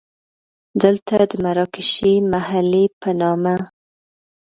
دلته د مراکشي محلې په نامه.